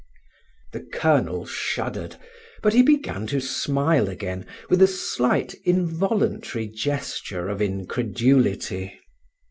The colonel shuddered, but he began to smile again, with a slight involuntary gesture of incredulity.